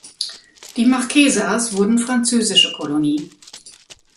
Die Marquesas wurden französische Kolonie.